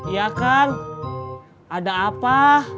ya kang ada apa